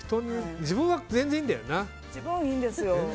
自分はいいんですよ。